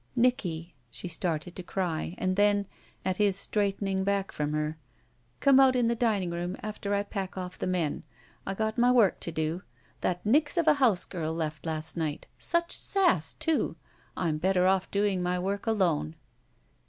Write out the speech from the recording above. "Nicky," she started to cry, and then, at his straightening back from her, ''come out in the dining room after I pack off the men. I got my work to do. That nix of a house girl left last night. Sudi sass, too! I'm better off doing my work alone."